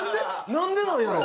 なんでなんやろう？